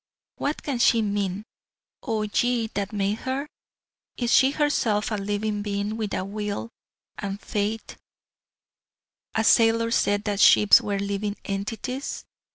What can she mean, O Ye that made her? Is she herself a living being, with a will and a fate, as sailors said that ships were living entities?